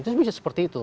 itu bisa seperti itu